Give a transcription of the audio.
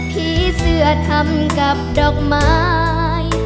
ผีเสื้อทำกับดอกไม้